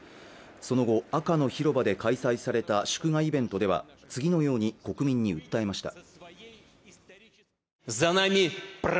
その後赤の広場で開催された祝賀イベントでは次のように国民に訴えました